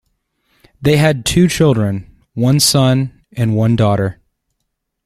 They had two children, one son and one daughter.